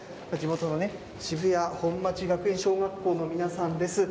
渋谷の本町学園小学校の皆さんです。